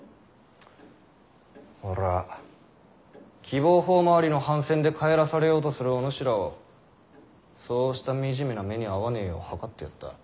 俺は喜望峰回りの帆船で帰らされようとするお主らをそうした惨めな目に遭わねぇよう計ってやった。